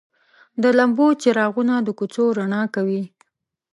د لمبو څراغونه د کوڅو رڼا کوي.